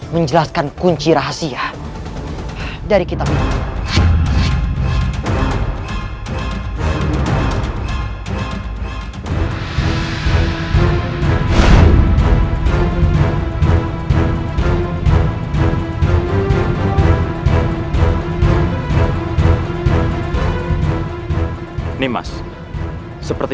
menjelaskan kunci yang ada di dalamnya